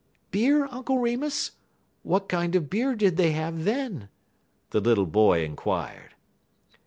_'" "Beer, Uncle Remus? What kind of beer did they have then?" the little boy inquired.